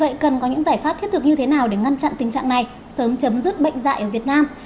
vậy cần có những giải pháp thiết thực như thế nào để ngăn chặn tình trạng này sớm chấm dứt bệnh dại ở việt nam